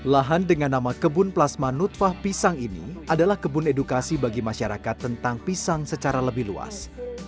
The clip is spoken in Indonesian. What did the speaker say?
lahan dengan nama kebun plasma nutfah pisang ini adalah kebun edukasi bagi masyarakat tentang pisang secara lebih luas